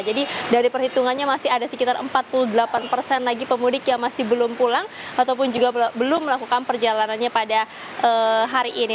jadi dari perhitungannya masih ada sekitar empat puluh delapan lagi pemudik yang masih belum pulang ataupun juga belum melakukan perjalanannya pada hari ini